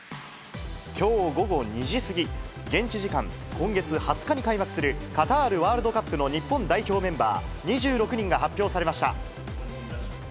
きょう午後２時過ぎ、現地時間今月２０日に開幕する、カタールワールドカップの日本代表メンバー２６人が発表されました。